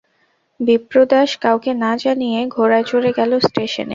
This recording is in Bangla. বিপ্রদাস কাউকে না জানিয়ে ঘোড়ায় চড়ে গেল স্টেশনে।